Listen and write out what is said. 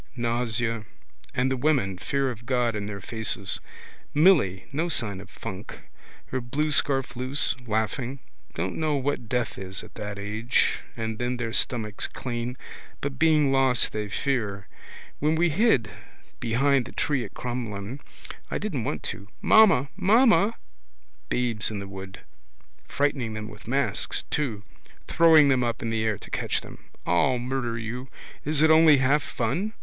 Nausea. And the women, fear of God in their faces. Milly, no sign of funk. Her blue scarf loose, laughing. Don't know what death is at that age. And then their stomachs clean. But being lost they fear. When we hid behind the tree at Crumlin. I didn't want to. Mamma! Mamma! Babes in the wood. Frightening them with masks too. Throwing them up in the air to catch them. I'll murder you. Is it only half fun?